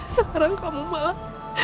sekarang kamu malas